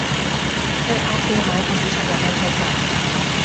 去鴨記買電子尺有咩推介